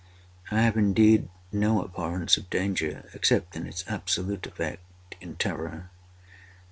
I have, indeed, no abhorrence of danger, except in its absolute effect—in terror.